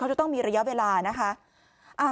จะต้องมีระยะเวลานะคะ